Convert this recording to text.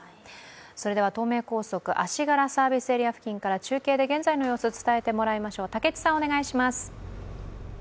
それでは東名高速・足柄サービスエリア付近から中継で現在の様子を伝えてもらいましょう。